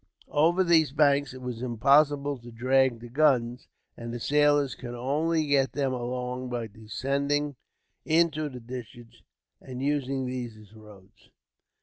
Over these banks it was impossible to drag the guns, and the sailors could only get them along by descending into the ditches, and using these as roads.